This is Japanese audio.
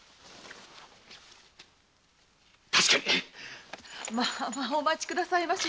確かにまあまあお待ち下さいませ。